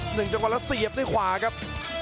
หนึ่งจนกว่าแล้วเสียบด้วยขวาครับ